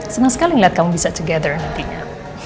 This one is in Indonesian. seneng sekali ngeliat kamu bisa together nantinya